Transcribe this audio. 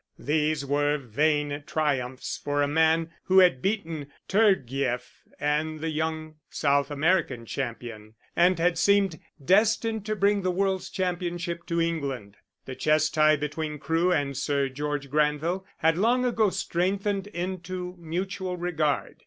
These were vain triumphs for a man who had beaten Turgieff and the young South American champion, and had seemed destined to bring the world's championship to England. The chess tie between Crewe and Sir George Granville had long ago strengthened into mutual regard.